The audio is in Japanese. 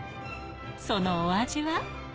そのお味は？